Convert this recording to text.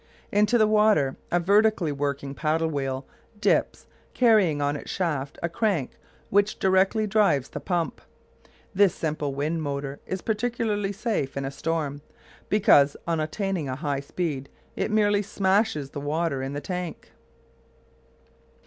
Into the water a vertically working paddle wheel dips, carrying on its shaft a crank which directly drives the pump. This simple wind motor is particularly safe in a storm, because on attaining a high speed it merely "smashes" the water in the tank.